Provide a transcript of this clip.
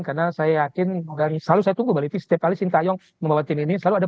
karena saya yakin selalu saya tunggu balikin setiap kali sinta yong membawa tim ini selalu ada